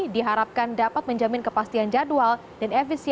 dan menjadi suatu anchor dari pld